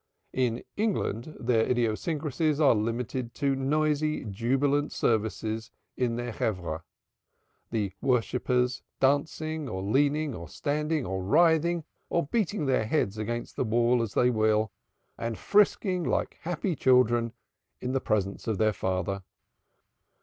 In England their idiosyncrasies are limited to noisy jubilant services in their Chevrah, the worshippers dancing or leaning or standing or writhing or beating their heads against the wall as they will, and frisking like happy children in the presence of their Father.